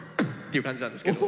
いう感じなんですけど。